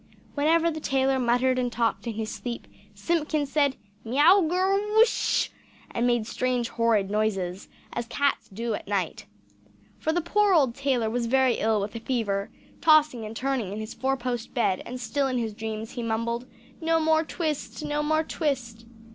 Whenever the tailor muttered and talked in his sleep, Simpkin said "Miaw ger r w s s ch!" and made strange horrid noises, as cats do at night. For the poor old tailor was very ill with a fever, tossing and turning in his four post bed; and still in his dreams he mumbled "No more twist! no more twist!"